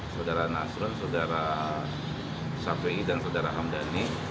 sedara nasrun sedara safi dan sedara hamdani